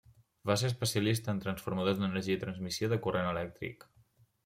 Va ser especialista en transformadors d'energia i transmissió de corrent elèctric.